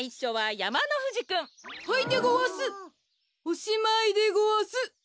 おしまいでごわす。